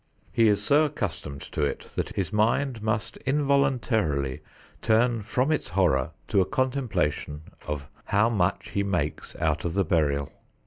He is so accustomed to it that his mind must involuntarily turn from its horror to a contemplation of how much he makes out of the burial.